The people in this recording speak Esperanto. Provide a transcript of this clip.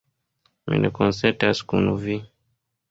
Mi ne konsentas kun vi.